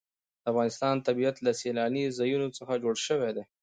د افغانستان طبیعت له سیلاني ځایونو څخه جوړ شوی دی.